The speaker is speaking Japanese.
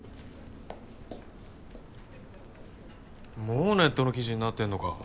もうネットの記事になってんのか。